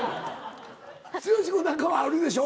剛君なんかはあるでしょ？